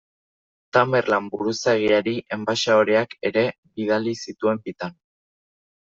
Tamerlan buruzagiari enbaxadoreak ere bidali zituen bitan.